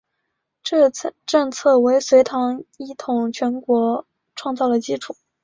这政策为隋唐一统全国创造了基础。